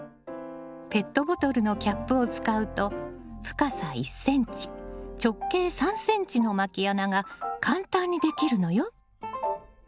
ペットボトルのキャップを使うと深さ１ｃｍ直径３ｃｍのまき穴が簡単にできるのよ。